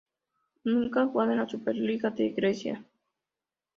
Nunca han jugado en la Superliga de Grecia.